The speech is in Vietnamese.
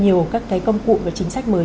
nhiều các công cụ và chính sách mới